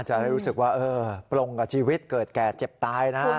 จะได้รู้สึกว่าปลงกับชีวิตเกิดแก่เจ็บตายนะ